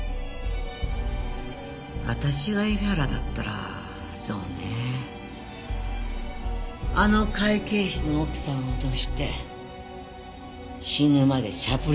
私が海老原だったらそうねえあの会計士の奥さんを脅して死ぬまでしゃぶり尽くすはず。